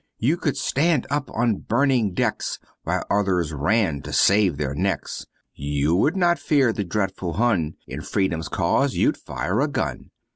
You could stand up on burning decks, While others ran to save their necks, You would not fear the dreadful Hun, In Freedom's cause you'd fire a gun.